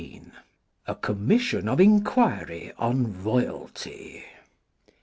A COMMISSION OF INQUIRY ON ROYALTY (1876.)